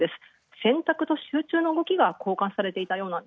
選択と集中の動きが交換されていたよう。